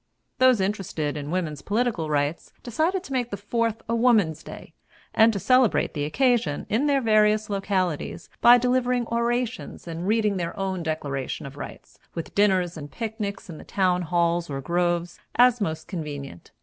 Those interested in women's political rights decided to make the Fourth a woman's day, and to celebrate the occasion, in their various localities, by delivering orations and reading their own declaration of rights, with dinners and picnics in the town halls or groves, as most convenient.